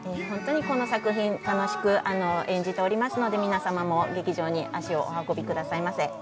本当にこの作品、楽しく演じておりますので皆様も劇場に足をお運びください。